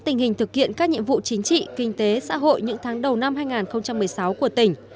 tình hình thực hiện các nhiệm vụ chính trị kinh tế xã hội những tháng đầu năm hai nghìn một mươi sáu của tỉnh